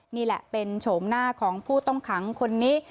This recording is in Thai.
นี่แหละเป็นโฉมหน้าของผู้ต้องขังคนนี้